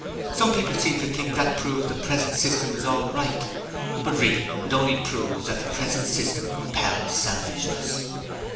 Some people seem to think that proves that the present system is all right! But really it only proves that the present system compels selfishness.